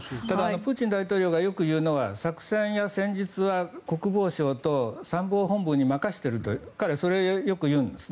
プーチン大統領がよく言うのは、作戦や戦術は国防省と参謀本部に任せていると彼はそれをよく言うんです。